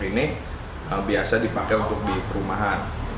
ini biasa dipakai untuk di perumahan